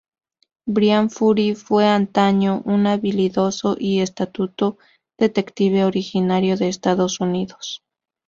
Bryan Fury fue antaño un habilidoso y astuto detective originario de Estados Unidos.